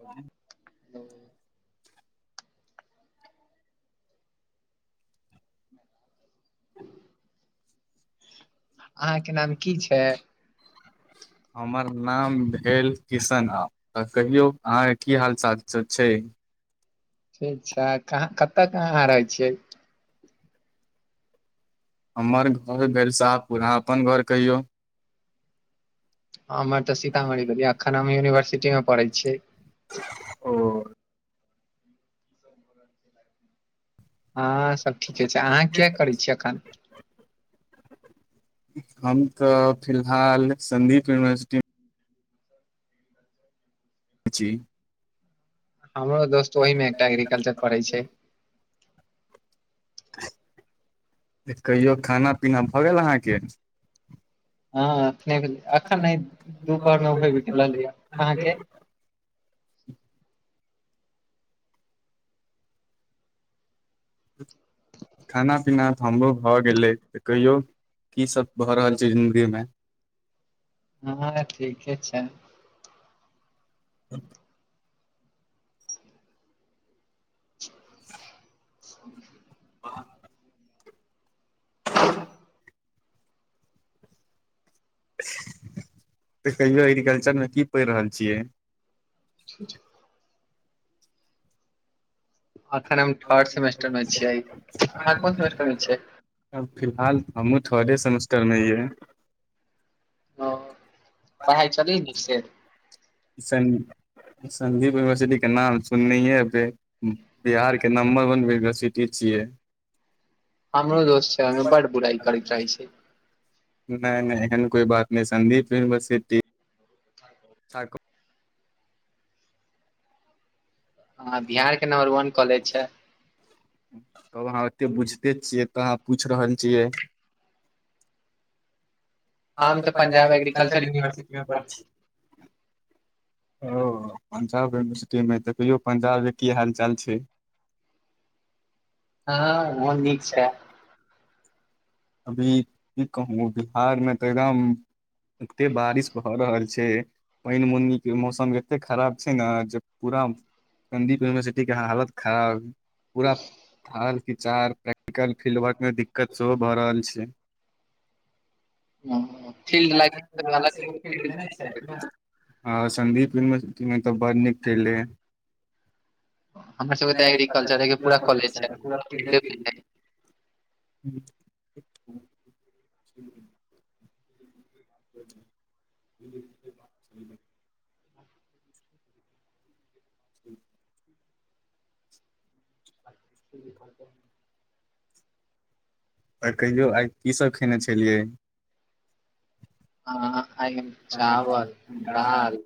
ह। हू। [inaudible] अहाँकेँ नाम कि छै हमर नाम भेल किशन आ तऽ कहियौ अहाँकेँ की हाल चाल सभ छै। ठीक छै कहाँ कतऽ कहाँ हड़ाई छियै। हमर घर भेलैलसाह पुर अपन घर कहियो। हमर तऽ सीतामढ़ी भैल अखन हम यूनिवर्सिटीमे पढ़ैत छीयै। ओ। आहाँ सभ ठीके छै अहाँ किया करै छियै अखन हम तऽ फिलहाल संदीप यूनिवर्सिटी। मे जी। हमरो दोस्त ओहहि मे एकटा एग्रीकल्चर पढ़ै छै कहियो खाना पीना भऽ गेल अहाँकेँ हँखने भेल एखन नहि दुपहर मे उ लि अहाँकेँ खाना पीना तऽ हमरो भऽ गेलै तऽ कहियौ। की सभ भऽ रहल छै जिन्दगी मे आहाँ न ठीके छै। ह। [unintelligible] ओ। आ। तऽ कहियो एग्रीकल्चर मे की पढ़ि रहल छियै। ठीक छैय। अखन हम थर्ड सेमेस्टर मे छियै अहाँ कोन सेमेस्टर मे छियै अब फिलहाल हमहुँ थर्डे सेमेस्टरमे है।। ओ पढ़ाई चले या निक से। संदीप यूनिवर्सिटी के नाम सुननैये हेबै बिहारके। नंबर वन यूनिवर्सिटी छियै। हमरो दोस्त छै हममे बड बुराई करै चाहै छै। नहि नहि एहन कोइ बात नहि सदीप यूनिवर्सिटी। आ साक हँ बिहार के नम्बर वन कॉलेज छै [unintelligible] तब अहाँ एते बुझते छियै ए तऽ अहाँ पूछि रहल छियै। हम तऽ पंजाब एग्रीकल्चर यूनिवर्सिटी मे पढ़ छी [inaudible] ओ पंजाब यूनिवर्सिटीमे देखियौ पंजाब के कि हाल चाल छै। ह ओहो नीक छै। अभी की कहू बिहारमे तऽ एकदम। एते बारिश भऽ रहल छै पैन बुन्नी मौसम। ते खराब छै ने जे पूरा संदीप यूनिवर्सिटी के हालत खराब। पूरा हालचार प्रैक्टिकल फील्ड वर्क में दिक्कत सेहो भ रहल छै। [inaudible] ह फील्ड लाग अ ह संदीप यूनिवर्सिटी बड़ नीक फले अहाँ सभके तऽ एग्रीकल्चर के पूरा कॉलेज छै ह। [inaudible] ह [unintelligible] [unintelligible] आ कहियो आइ कि सभ खेने छलियै आ चावल दाल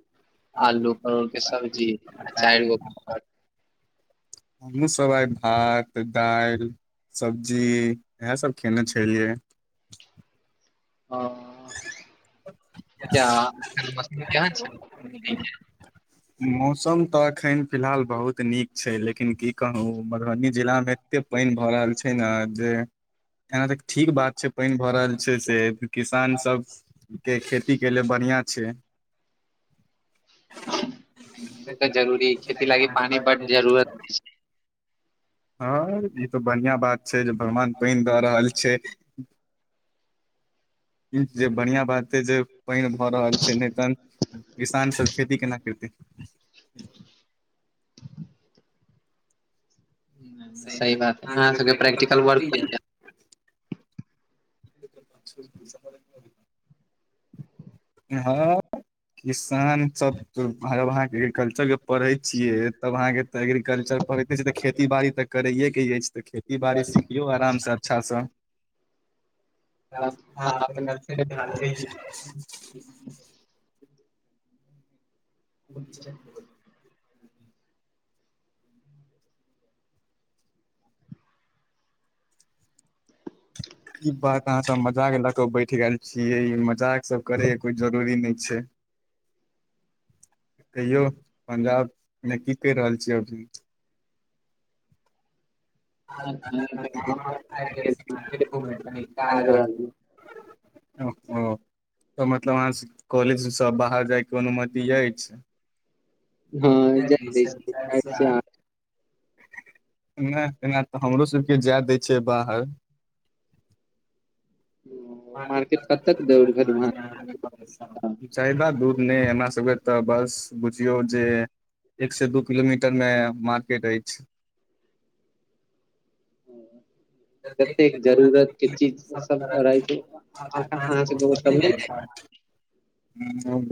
आलू परोल के सब्जी आ चारि गो पड़। हमू सभ ई भात दालल सब्जी इएह सभ खयने छल रियै ह ख मश छै मौसम तऽ एखन फिलहाल बहुत नीक छै लेकिन की कहू मधुबनी जिला मे एते पाइन भऽ रहल छै ने जे एना त ठीक बात छै पानि भऽ रहल छै से किसान सब के खेती बढ़िआ छै ओ तऽ जरूरी खेती लागी पानी ब जरूरत हँ ई तो बढ़िआ बात छै जे भगवान त दऽ रहल छै जे बढ़िया बात हे जे पानि भऽ रहल छै नहि तऽ किसान सभ खेती केना करतै [unintelligible] सहि बात है ह प्रैकटिकल वर्क जा [unintelligible] हँ किसान सभ भऽ वाँ एग्रीकल्चर के पढ़ै छियै तब अहाँकेँ तऽ एग्रीकल्चर पढ़ैते तऽ खेती बाड़ी तऽ करैएके अछि तऽ खेती बाड़ी सिखियो आराम सँ अच्छा से हँ अपन गर्लफ्रेंड छै ठीक। प। ई बात कहाँ मजाक लए क बैठ गेल छियै ई मजाक सभ करे के कोई जरुरी नहि छै [inaudible] कहियौ पंजाब मे कि कहि रहल छियै अभ हँ [unintelligible] घु ओ त मतलब अहाँ कॉलेज सभ बाहर जायके अनुमति अछि ह जा छै नहि एना तऽ हमरो सभके जाय दै छै बाहर ह। मार्केट कब तक दौड़ घर वहाँ था। जादा दूर नहि हमर सभके तऽ बस बुझियौ जे एक सँ दू किलोमीटर मे मार्केट अछि ह। जतेक जरूत के चीज सभ रहै छै अहाँ सभ मिल जाय छै। [inaudible]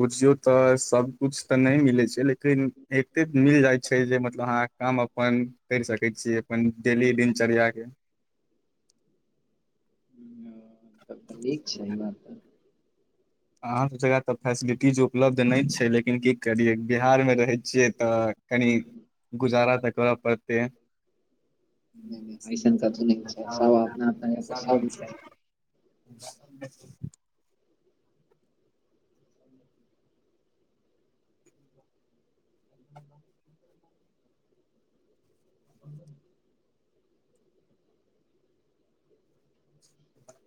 बुझियौ तऽ सबकछु तऽ नै मिलै छै लेकिन एकते मिल जाइत छै जे मतलब अहाँ काम अपन करै सकै छी अपन डेली दिनचर्या केँ तब तऽ नीक छै अहाँसभ जगह तऽ फैसिलिटीज उपलब्ध नहि छै लेकिन की करियै बिहारमे रहै छियै तऽ कनी [inaudible] गुजारा तऽ कर परते नहि नहि ऐसन कथु नहि छै सब अपना अपना जगह पर सब नीक छै [unintelligible] [unintelligible]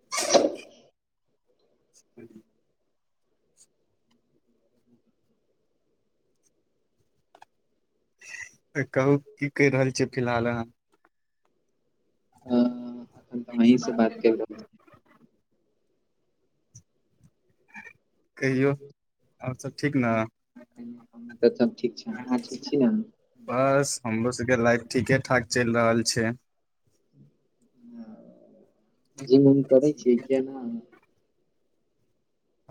[unintelligible] [unintelligible] [unintelligible] तऽ कहू की कई रहल छी फिलहाल अहाँ अ [inaudible] अखन तऽ अहीं से बात कइ रहल छी कहियौ [inaudible] और सब ठीक न [unintelligible] बस हमरो सबकेँ लाइफ ठीके ठाक चैल रहल छै [inaudible] जिम उम करै छी के नै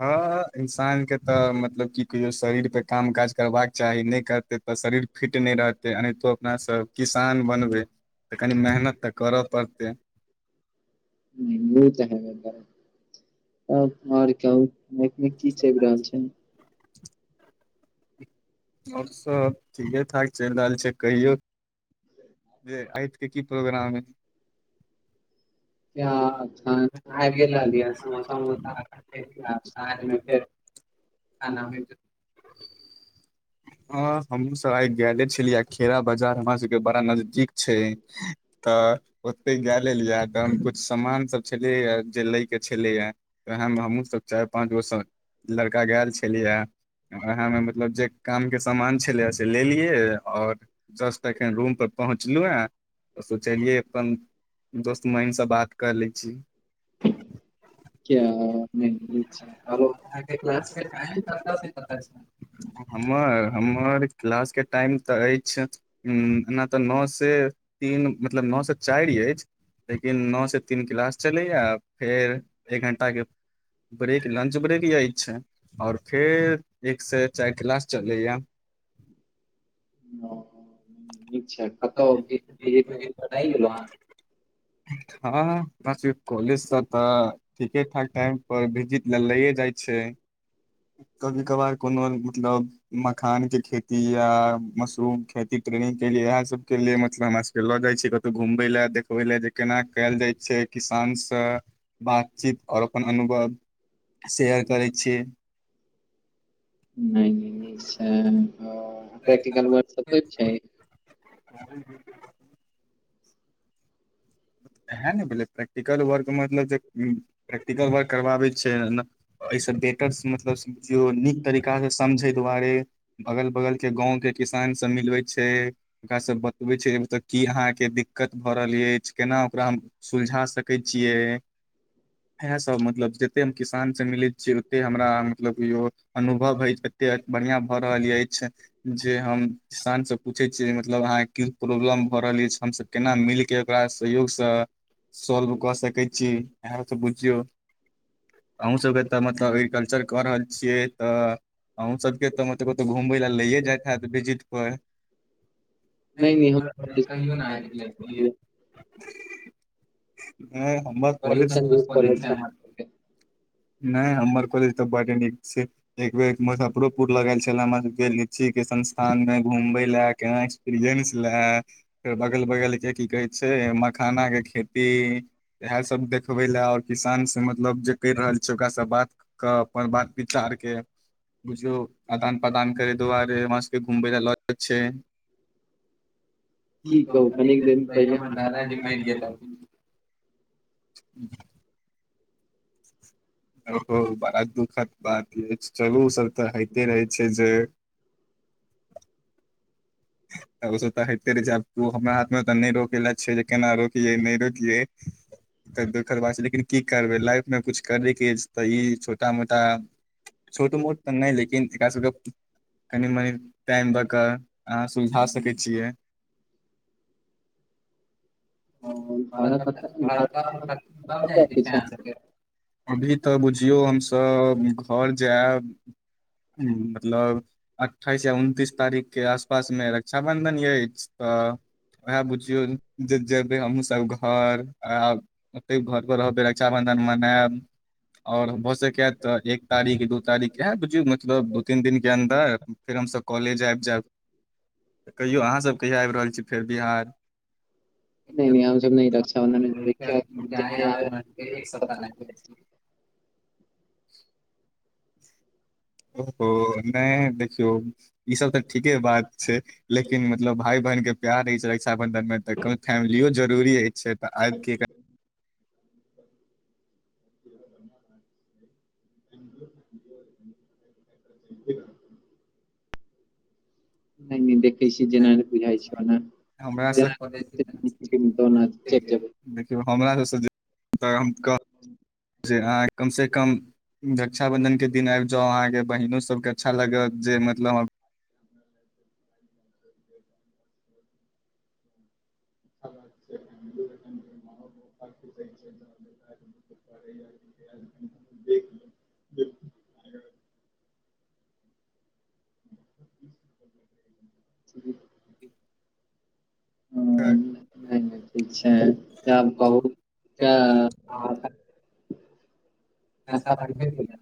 हँ हँ इन्सानके तऽ मतलब की कहियौ शरीर पर काम काज करबाक चाही नै करतै तऽ शरीर फिट नै रहतै एनाहितो अपना सब किसान बनबै तऽ कनि मेहनत तऽ कर पड़तै हू ओ तऽ हेबै करत [inaudible] तब और कहु लेकिन इ की चैल रहल छै और सब ठीके ठाक चैल रहल छै कहियो जे आइत की प्रोग्राम है [inaudible] खाना आबि गेल रहलियै नीक छै [unintelligible] [unintelligible] [inaudible] हँ हमहुँ सब आइब गैले छलियै आ खेरा बजार हमरा सबके बड़ा नजदीक छै तऽ ओते गेलैल तहन कुछ समान सब छलय या जे लय केँ छेलै य वएह मे हमहुँ सब चार पाँच गो सब लड़का गैल छलियहे [inaudible] उएहमे मतलब जे काम केँ समान छले से लेलियए और जस्ट एखन रूम पर पहुँचलु हँ [inaudible] सोचलियै अपन [inaudible] दोस्त महिन स बात कऽ लै छी [unintelligible] [unintelligible] [inaudible] हमर हमर क्लास केँ टाइम तऽ अछि [inaudible] त ऽ नौ से तीन मतलब नौ से चार ऐछ लेकिन नौ से तीन किलास चलैय फेर एक घण्टा केँ ब्रेक लंच ब्रेक यैछ [inaudible] और फेर एक से चार क्लास चलैय [unintelligible] हँ बस कॉलेज स तऽ ठीके ठाक टाइम पर भिजिट लऽ लइये जाइ छै [inaudible] कभी कभार कोन मतलब मखान केँ खेती खेती या मशरूम खेती ट्रेनिंग केँ लिए इहै सब केँ लिए मतलब हमरा सब लऽ जाइ छै कतै घूमबए लए देखबे ओ लए जे केना कयल जाइ छै किसानसँ बातचीत और अपन अनुभव शेयर करै छियै नहि नहि [unintelligible] प्रैक्टिकल वर्क सभ होइ छै [unintelligible] इएह ने भेलै प्रैक्टिकल वर्क मतलब जे उम प्रैक्टिकल वर्क करवाबै छै। एहिस बेटरसँ मतलब समझियौ नीक तरीकासँ समझै दुआरे अगल बगलके गावके किसान संग मिलबैत छै ओकरा सभ बतबै छै की उ त अहाँकेँ दिक्कत भऽ रहल अछि केना ओकरा हम सुलझा सकैत छी छियै इएह सभ मतलब जते हम किसानस मिलै छियै ओते हमरा मतलब कि और अनुभव होइ छै एते बढ़िया भऽ रहल अछि जे हम किसानसँ पूछे छियै मतलब अहाँकेँ प्रॉब्लम भऽ रहल अछि हम सभ केना मिल के ओकरा सहयोग से सॉल्व क सक सै छी इह सभ बुझियो अह सभ के त मतलब एग्रीकल्चर क रहल छी छियै तऽ अहूँ सबके त मतलब कतहु कतहु घुमबै लए जाय हैत विजिट पर नहि नहि हमरा [unintelligible] कहिओ कॉलेज नहि आबि नहि हमर बड़ी कालेज कंजूस कॉलेज छै। [unintelligible] नहि हमर कॉलेज त बड नीक छै एक बेर मुजफरोपुर लग छल हम के संस्थान मे घूमबे ले केना एक्सपीरियंस ले फेर बगल बगल के कहे मखाना के खेती इएह सभ देख खबे लए और किसान से मतलब जे कर रहल छै ओकरासँ बात क अपन बात विचार के बुझियौ आदान प्रदान कर दुआरे हमरा सभके घुमब लऽ छै कि कहू कनेक दिन पहिले [unintelligible] ओ बड़ दुख बात यै चलू ओ सभ तऽ होइते रहै छै जे ओसभ तऽ होइते रहै छै आब ओ हमरा हाथमे नहि रोक ल छै जे केना रोकियै नहि रोकियै तऽ दोखर बात छै लेकिन की करबै लाइफमे कुछ करयके अछि तऽ ई छोटा मोटा [inaudible] छोट मोट तऽ नहि लेकिन एकरा सभके कनि मनी टाइम भऽ सुलझा सकैत छियै अ, घरक घरब जाइ घर कतऽ के छै अहा सभके अभी त बुझियौ हम सभ घर जायब मतलब अठाइस यै उनतीस तारीख के आस पासमे रक्षाबंधन अछि त उएह बुझियौ जे जेबे हमहूँ सभ घर आ ओते घर पर रहबै रक्षाबंधन मनायब आओर हो सकत एक तारीख दू तारीख इएह बुझौ मतलब दू तीन दिनके अन्दर फेर हम सभ कॉलेज आबि जायब त कहियौ अहाँ सभ कहियो आबि रहल छी फेर बिहार। नहि न हम सभ रक्षाबंधन एक सप्ताह लऽ ओहो नहि देखियौ। ई सभ तऽ ठीके बात छै लेकिन मतलब भाय बहन के प्यार बंधन मे तऽ कोनो फैमिलियो जरुरी अछि छै त आबी। ब। कि नहि देख देख छी जेना बुझाई छैना हमरा सब देखियौ हमरा ससँ तऽ हम कहब जे अहाँ कमसँ कम रक्षाबंधन के दिन आबि जाउ अहाँ के बहिनो सभके के अच्छा लागत जे मतलब [inaudible] [unintelligible] करे ल [unintelligible] नहि नहि ठीक छै आब कहू क्या [unintelligible] ने नाश्ता पानी भेल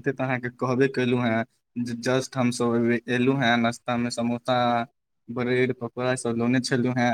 त अहाँकेँ कहबे केलु हन जस्ट हमस एलु हे नाास्ता मे समोसा ब्रेड पकोड़ा सभ लोने छलु हे